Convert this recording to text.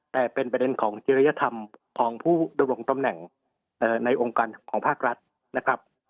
แต่เป็นประเด็นของจิริยธรรมของผู้ดำรงตำแหน่งในองค์การของภาครัฐนะครับ